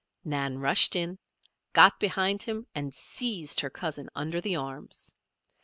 Nan rushed in, got behind him, and seized her cousin under the arms.